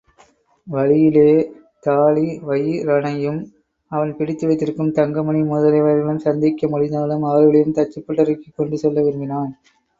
வழியிலே தாழிவயிறனையும், அவன் பிடித்து வைத்திருக்கும் தங்கமணி முதலியவர்களையும் சந்திக்க முடிந்தாலும் அவர்களையும் தச்சுப்பட்டறைக்குக் கொண்டு செல்ல விரும்பினான்.